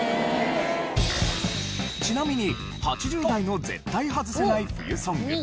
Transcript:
ちなみに８０代の絶対ハズせない冬ソング。